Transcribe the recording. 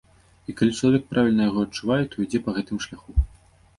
І калі чалавек правільна яго адчувае, то ідзе па гэтым шляху.